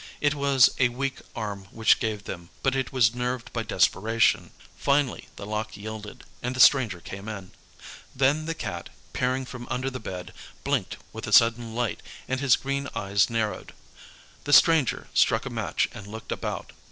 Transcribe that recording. It was a weak arm which gave them, but it was nerved by desperation. Finally the lock yielded, and the stranger came in. Then the Cat, peering from under the bed, blinked with a sudden light, and his green eyes narrowed. The stranger struck a match and looked about.